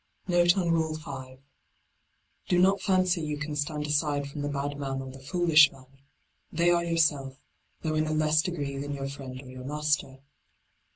JVofe on Rule 5. — Do not fancy you can stand aside from the bad man or the foolish man. They are yourself, though in a less degree than your friend or your master.